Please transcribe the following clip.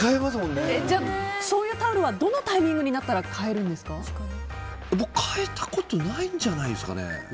じゃあ、そういうタオルはどのタイミングになったら僕、替えたことないんじゃないですかね。